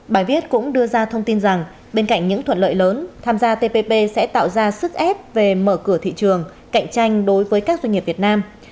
bài viết cũng đưa ra thông tin rằng bên cạnh những thuận lợi lớn tham gia tpp sẽ tạo ra sức ép về mở cửa thị trường cạnh tranh đối với các doanh nghiệp việt nam